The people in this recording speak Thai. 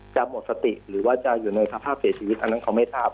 หมดสติหรือว่าจะอยู่ในสภาพเสียชีวิตอันนั้นเขาไม่ทราบ